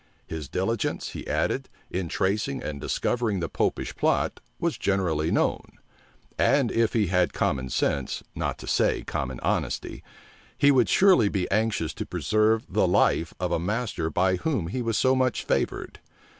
His diligence, he added, in tracing and discovering the Popish plot, was generally known; and if he had common sense, not to say common honesty, he would surely be anxious to preserve the life of a master by whom he was so much favored.